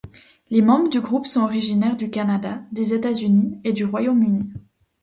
Les membres du groupe sont originaires du Canada, des États-Unis et du Royaume-Uni.